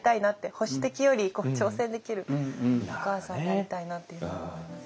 保守的より挑戦できるお母さんでありたいなっていうふうに思います。